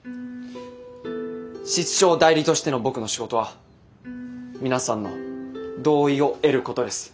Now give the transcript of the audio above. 室長代理としての僕の仕事は皆さんの同意を得ることです。